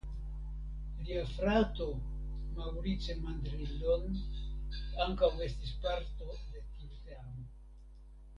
Lia frato "Maurice Mandrillon" ankaŭ estis parto de tiu teamo.